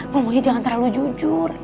ngomongnya jangan terlalu jujur